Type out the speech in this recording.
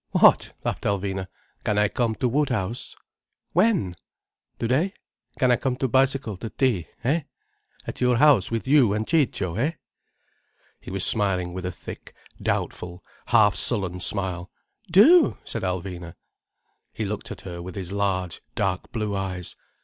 "What?" laughed Alvina. "Can I come to Woodhouse?" "When?" "Today. Can I come on bicycle, to tea, eh? At your house with you and Ciccio? Eh?" He was smiling with a thick, doubtful, half sullen smile. "Do!" said Alvina. He looked at her with his large, dark blue eyes.